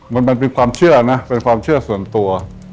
มันมันเป็นความเชื่อนะเป็นความเชื่อส่วนตัว